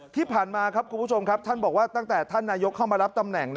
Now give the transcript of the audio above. ที่ผ่านมาครับคุณผู้ชมครับท่านบอกว่าตั้งแต่ท่านนายกเข้ามารับตำแหน่ง